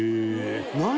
何？